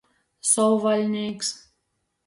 Sovvaļnīks.